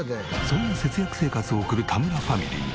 そんな節約生活を送る田村ファミリー。